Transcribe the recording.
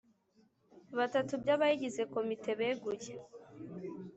batatu by abayigize komite beguye